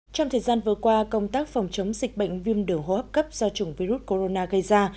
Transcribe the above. trong thời gian vừa qua công tác phòng chống dịch bệnh viêm đường hô hấp cấp do chủng virus corona gây ra